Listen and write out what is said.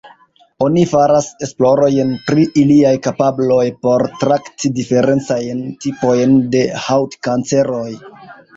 Oni faras esplorojn pri iliaj kapabloj por trakti diferencajn tipojn de haŭtkanceroj.